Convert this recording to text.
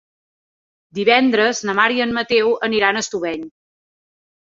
Divendres na Mar i en Mateu aniran a Estubeny.